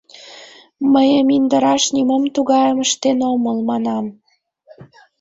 «Мыйым индыраш нимом тугайым ыштен омыл», — манам.